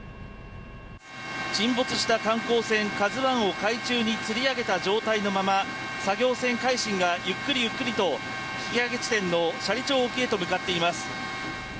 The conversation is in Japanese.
沈没した観光船「ＫＡＺＵ１」を海中につり上げた状態のまま作業船「海進」がゆっくりゆっくりと引き揚げ地点の斜里町沖へと向かっています。